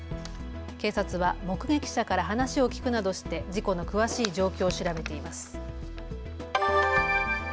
警察は目撃者から話を聞くなどして事故の詳しい状況を調べています。